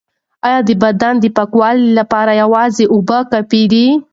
ایا د بدن د پاکوالي لپاره یوازې اوبه کافی دي؟